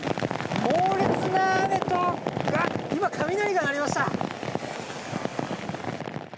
猛烈な雨と今、雷が鳴りました。